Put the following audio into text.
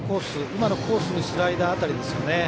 今のコースにスライダー辺りですね。